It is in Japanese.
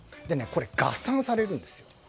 これ合算されるんですよ。